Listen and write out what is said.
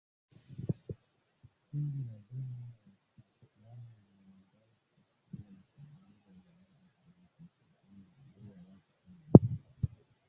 Kundi la Dola ya ki Islamu limedai kuhusika na shambulizi la Jamhuri ya Kidemokrasia ya Kongo lililouwa watu kumi na tano